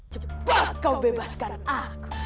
cepat kau bebaskan aku